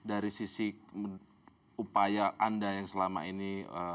dari sisi upaya anda yang selama ini